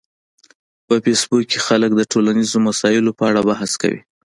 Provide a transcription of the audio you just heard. په فېسبوک کې خلک د ټولنیزو مسایلو په اړه بحث کوي